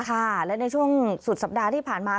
ค่ะและในช่วงสุดสัปดาห์ที่ผ่านมา